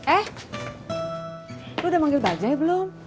eh lu udah manggil bajaj belum